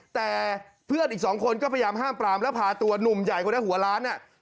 แต่เพื่อนอีกสองคนก็พยายามห้ามปรามแล้วพาตัวหนุ่มใหญ่คนนั้นหัวล้านเนี่ย